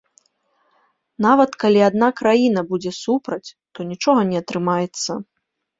Нават калі адна краіна будзе супраць, то нічога не атрымаецца.